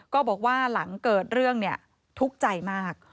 ก็บอกว่าหลังเกิดเรื่องเนี่ยทุกข์ใจมาก